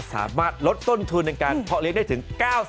สามารถลดต้นทุนในการเพาะเลี้ยงได้ถึง๙๐